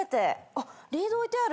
あっリード置いてある。